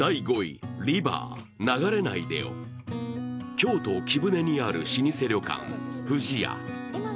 京都・貴船にある老舗旅館ふじや。